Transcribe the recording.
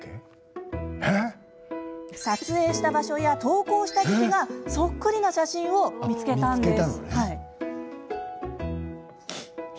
撮影した場所や投稿した時期がそっくりな写真を見つけたんです。